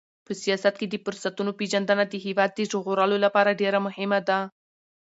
په سیاست کې د فرصتونو پیژندنه د هېواد د ژغورلو لپاره ډېره مهمه ده.